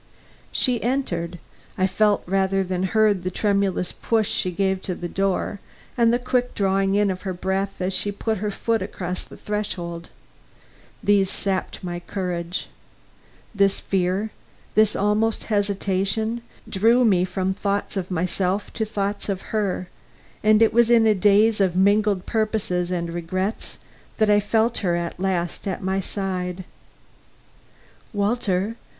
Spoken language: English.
She entered; I felt rather than heard the tremulous push she gave to the door, and the quick drawing in of her breath as she put her foot across the threshold. These sapped my courage. This fear, this almost hesitation, drew me from thoughts of myself to thoughts of her, and it was in a daze of mingled purposes and regrets that I felt her at last at my side. "Walter!"